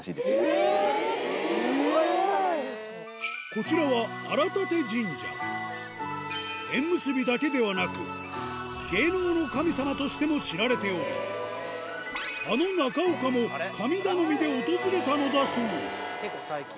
こちらは縁結びだけではなく芸能の神様としても知られておりあの中岡も神頼みで訪れたのだそう結構最近。